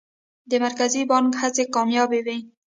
د مرکزي بانک هڅې کامیابه وې؟